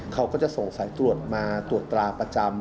เขาก็จะส่งสายตรวจมาตรวจตราประจำ